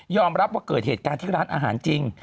รับว่าเกิดเหตุการณ์ที่ร้านอาหารจริง